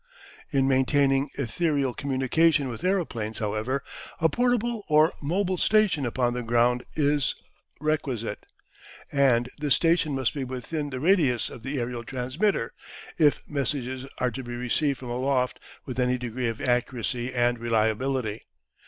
In maintaining ethereal communication with aeroplanes, however, a portable or mobile station upon the ground is requisite, and this station must be within the radius of the aerial transmitter, if messages are to be received from aloft with any degree of accuracy and reliability.